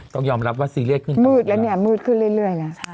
ต้องยอมรับว่าสีเลขนี่มืดแล้วมืดขึ้นเรื่อยนะ